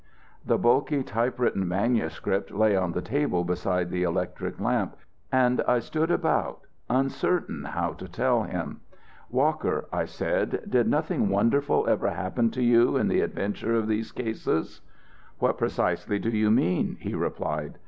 The bulky typewritten manuscript lay on the table beside the electric lamp, and I stood about uncertain how to tell him. "Walker," I said, "did nothing wonderful ever happen to you in the adventure of these cases?" "What precisely do you mean?" he replied.